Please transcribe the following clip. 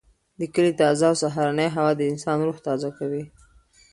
د کلي تازه او سهارنۍ هوا د انسان روح تازه کوي.